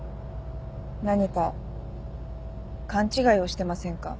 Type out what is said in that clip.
何か勘違いをしてませんか？